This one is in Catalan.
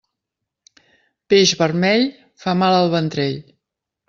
Peix vermell fa mal al ventrell.